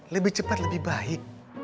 lebih cepat lebih baik